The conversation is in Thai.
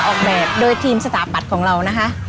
ออกแบบโดยทีมสถาปัตย์ของเรานะคะ